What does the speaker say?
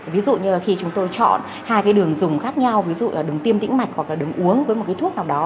ví dụ như là khi chúng tôi chọn hai cái đường dùng khác nhau ví dụ là đường tiêm tĩnh mạch hoặc là đường uống với một cái thuốc nào đó